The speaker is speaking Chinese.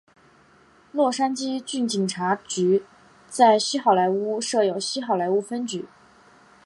洛杉矶郡警察局在西好莱坞设有西好莱坞分局。